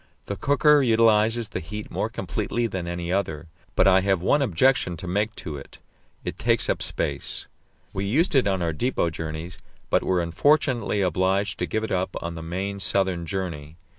This cooker utilizes the heat more completely than any other; but I have one objection to make to it it takes up space. We used it on our depot journeys, but were unfortunately obliged to give it up on the main southern journey.